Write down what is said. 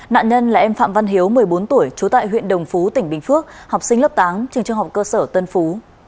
nạn nhân là em phạm văn hiếu một mươi bốn tuổi trú tại huyện đồng phú tỉnh bình phước học sinh lớp tám trường trung học cơ sở tân phú